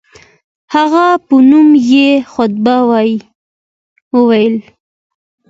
هغه په نوم یې خطبه وویل.